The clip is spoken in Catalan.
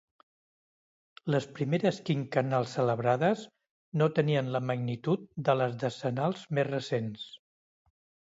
Les primeres quinquennals celebrades no tenien la magnitud de les decennals més recents.